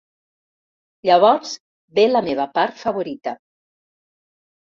Llavors ve la meva part favorita.